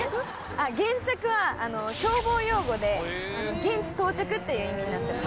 「ゲンチャク」は消防用語で「現地到着」っていう意味になってます。